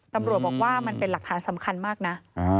ตำรวจบอกว่ามันเป็นหลักฐานสำคัญมากนะ